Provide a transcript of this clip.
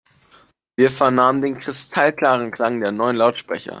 Wir vernahmen den kristallklaren Klang der neuen Lautsprecher.